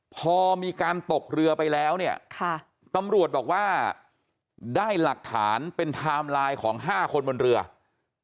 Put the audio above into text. พอมีการตกเรือไปแล้วเนี่ยค่ะตำรวจบอกว่าได้หลักฐานเป็นไทม์ไลน์ของ๕คนบนเรือ